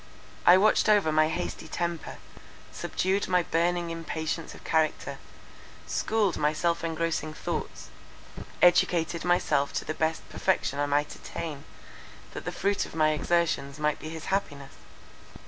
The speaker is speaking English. I watched over my hasty temper, subdued my burning impatience of character, schooled my self engrossing thoughts, educating myself to the best perfection I might attain, that the fruit of my exertions might be his happiness.